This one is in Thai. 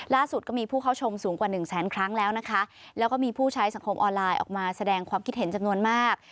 ก็มีผู้เข้าชมสูงกว่าหนึ่งแสนครั้งแล้วนะคะแล้วก็มีผู้ใช้สังคมออนไลน์ออกมาแสดงความคิดเห็นจำนวนมาก